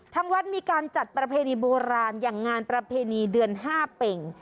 ทางวัดมีการจัดประเพณีโบราณอย่างงานประเพณีเดือน๕เป่ง